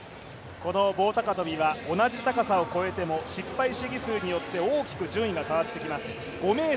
この棒高跳は同じ高さを超えても、失敗試技数によって大きく順位が変わってきます。